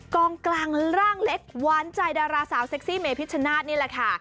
กองกลางร่างเล็กหวานใจดาราสาวเซ็กซี่เมพิชชนาธิ์นี่แหละค่ะ